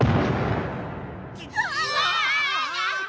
うわ！